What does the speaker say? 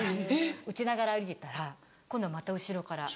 打ちながら歩いてたら今度また後ろから。